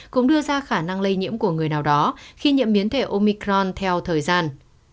cũng đưa ra khả năng lây nhiễm của người nào đó khi nhiễm biến thể omicron theo thời gian